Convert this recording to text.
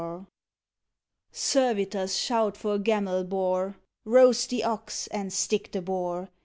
Servitors, shout for Gamelbar! Roast the ox and stick the boar!